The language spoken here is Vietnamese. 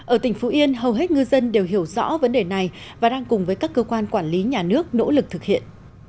ở tỉnh phú yên hầu hết ngư dân đều hiểu rõ vấn đề này và đang cùng với các cơ quan quản lý nhà nước nỗ lực thực hiện